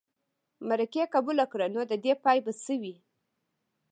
مرکې قبوله کړه نو د دې پای به څه وي.